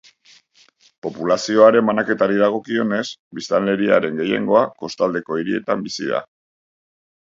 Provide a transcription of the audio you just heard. Populazioaren banaketari dagokionez, biztanleriaren gehiengoa kostaldeko hirietan bizi da.